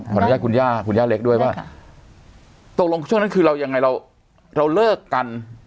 ขออนุญาตคุณย่าคุณย่าเล็กด้วยว่าตกลงช่วงนั้นคือเรายังไงเราเราเลิกกัน